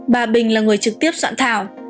bà bình là người trực tiếp soạn thảo